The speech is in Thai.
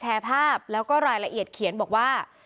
แชร์ภาพแล้วก็รายละเอียดเขียนบอกว่า